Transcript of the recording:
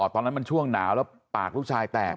ตอนนั้นมันช่วงหนาวแล้วปากลูกชายแตก